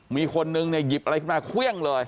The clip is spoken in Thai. มีคนหนึ่งหยิบอะไรมาเขวี้ยงเลย